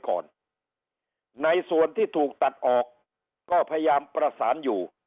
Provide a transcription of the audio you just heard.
ก่อนในส่วนที่ถูกตัดออกก็พยายามประสานอยู่